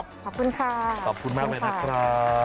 ขอบคุณค่ะขอบคุณค่ะขอบคุณค่ะขอบคุณค่ะขอบคุณค่ะ